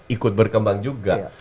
ikut berkembang juga